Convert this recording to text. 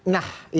nah ini dia